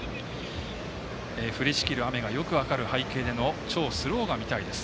降りしきる雨がよく分かる背景での超スローが見たいです。